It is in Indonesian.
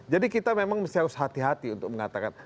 jadi kita memang harus hati hati untuk mengatakan